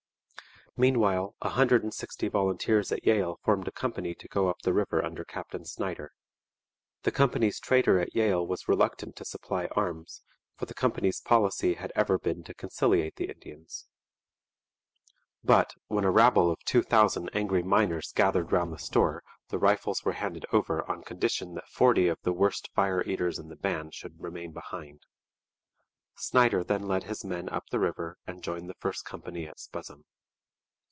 Meanwhile a hundred and sixty volunteers at Yale formed a company to go up the river under Captain Snyder. The company's trader at Yale was reluctant to supply arms, for the company's policy had ever been to conciliate the Indians. But, when a rabble of two thousand angry miners gathered round the store, the rifles were handed over on condition that forty of the worst fire eaters in the band should remain behind. Snyder then led his men up the river and joined the first company at Spuzzum.